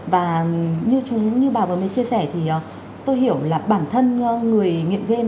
và như bà vừa mới chia sẻ thì tôi hiểu là bản thân người nghiện game